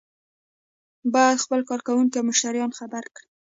باید خپل کارکوونکي او مشتریان خبر کړي.